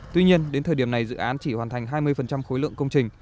tuy nhiên đến thời điểm này dự án chỉ hoàn thành hai mươi khối lượng công trình